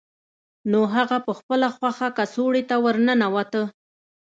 نو هغه په خپله خوښه کڅوړې ته ورننوته